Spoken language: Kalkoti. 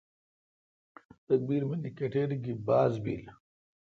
تکبیر من کٹیر گی باز بیل۔